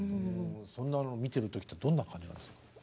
そんなのを見てる時ってどんな感じなんですか？